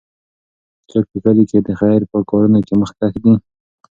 څوک په کلي کې د خیر په کارونو کې مخکښ دی؟